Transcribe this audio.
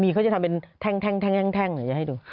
มีเค้าจะทำเป็นแท่งอย่างนี้ให้ดู